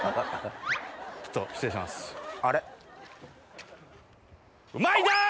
ちょっと失礼します。